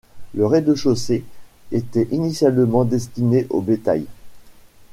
Le rez-de-chaussée était initialement destiné au bétail.